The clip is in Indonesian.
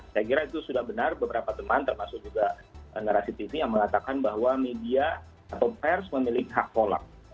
saya kira itu sudah benar beberapa teman termasuk juga narasi tv yang mengatakan bahwa media atau pers memiliki hak tolak